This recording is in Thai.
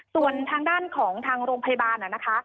ส่วนทางด้านของทางโรงพยาบาลนะคะ